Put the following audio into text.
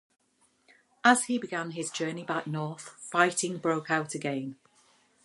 As he began his journey back north, fighting broke out again.